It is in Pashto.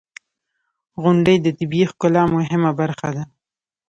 • غونډۍ د طبیعی ښکلا مهمه برخه ده.